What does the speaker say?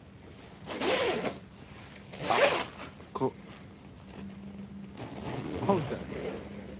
A Connecticut native, Winfield met her husband at a Dixieland concert.